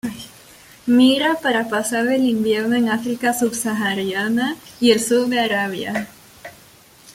Migra para pasar el invierno en África subsahariana y el sur de Arabia.